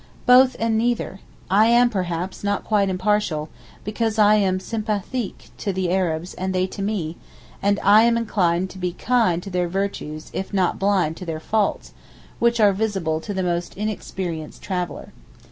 Both and neither. I am, perhaps, not quite impartial, because I am sympathique to the Arabs and they to me, and I am inclined to be 'kind' to their virtues if not 'blind' to their faults, which are visible to the most inexperienced traveller.